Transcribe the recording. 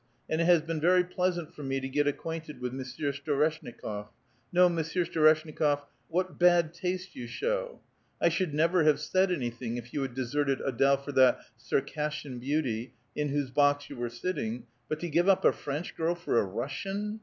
And it has been very pleasant for me to get acquainted with Mon sieur Storeshnikof. No, Monsieur Storeshnikof ; /y, what bad taste you show ! I should never have said anything if you had deserted Ad^le for that Circassian beautv in whose box you were sitting ; but to give up a French girl for a Russian